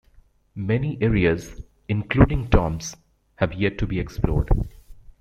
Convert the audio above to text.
Many areas, including tombs, have yet to be explored.